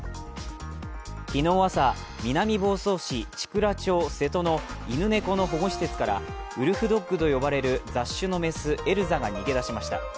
昨日朝、南房総市千倉町瀬戸の犬猫の保護施設からウルフドッグと呼ばれる雑種の雌エルザが逃げ出しました。